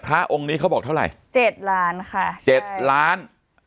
พระองค์นี้เขาบอกเท่าไหร่๗ล้านค่ะ๗ล้าน